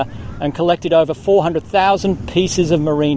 dan mengumpulkan lebih dari empat ratus potongan plastik perang